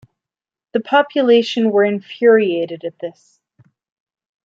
The population were infuriated at this.